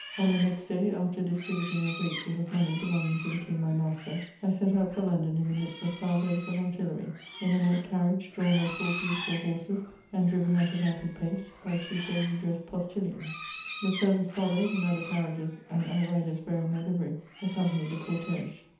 On the next day, after distributing a great deal of money belonging to the king my master, I set out for London in the midst of salvos of artillery, in a light carriage drawn by four beautiful horses, and driven at a rapid pace by two gaily CHATEAUBRIAND. 23 1 ^ 'ill ■ I ..I . I I ■■■■ 111! I 11 dressed postillions. The servants followed in other carriages, and outriders wearing my livery accompanied the cortSge.